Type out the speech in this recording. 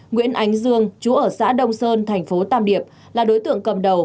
nguyễn ánh dương chú ở xã đông sơn thành phố tam điệp là đối tượng cầm đầu